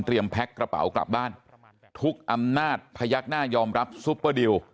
แพ็คกระเป๋ากลับบ้านทุกอำนาจพยักหน้ายอมรับซุปเปอร์ดิว